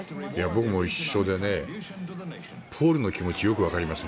僕も一緒でポールの気持ちよく分かります。